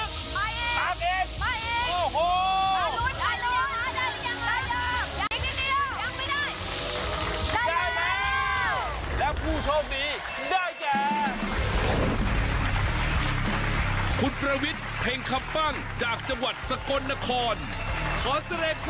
สว่างกระดวันแหงและทันตัวมึงสมาธิสายคนเลย